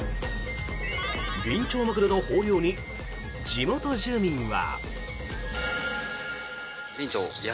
ビンチョウマグロの豊漁に地元住民は。